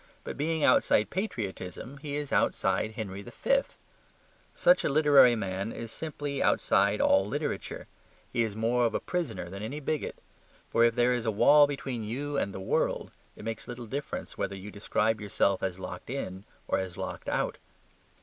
But being outside patriotism he is outside "Henry V." Such a literary man is simply outside all literature: he is more of a prisoner than any bigot. For if there is a wall between you and the world, it makes little difference whether you describe yourself as locked in or as locked out.